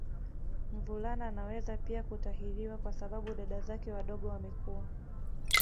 Mvulana anaweza pia kutahiriwa kwa sababu dada zake wadogo wamekua